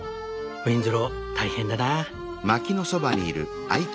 ウィンズロー大変だな。